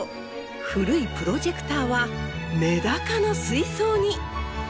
古いプロジェクターはメダカの水槽に。